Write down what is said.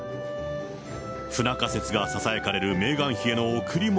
不仲説がささやかれるメーガン妃への贈り物？